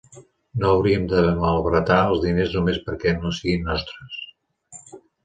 No hauríem de malbaratar els diners només perquè no siguin nostres.